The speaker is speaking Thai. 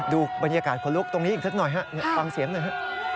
ดูบรรยากาศขนลุกตรงนี้อีกสักหน่อยฮะฟังเสียงหน่อยฮะ